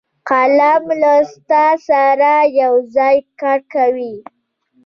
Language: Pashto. قلم له استاد سره یو ځای کار کوي